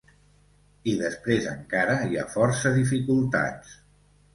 I després encara hi ha força dificultats.